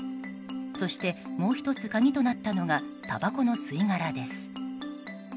そして、もう１つ鍵となったのがたばこの吸い殻です。